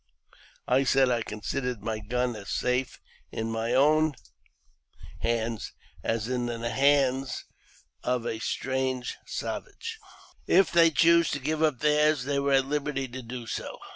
I said I considered my gun as safe in my own hands as in the hands of a strange savage ; if they chose to give up theirs, they were at liberty to do so.